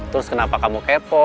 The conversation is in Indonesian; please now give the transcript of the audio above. terus kenapa kamu kepo